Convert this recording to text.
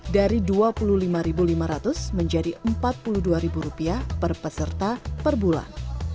dari rp dua puluh lima lima ratus menjadi rp empat puluh dua per peserta per bulan